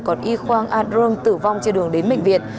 còn y khoang arun tử vong trên đường đến bệnh viện